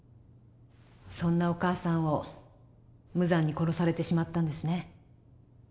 そんなお母さんを無残に殺されてしまったんですね。